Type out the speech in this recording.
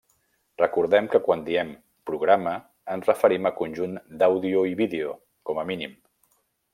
Recordem que quan diem programa ens referim a conjunt d'àudio i vídeo, com a mínim.